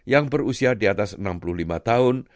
yang berusia di atas enam puluh lima tahun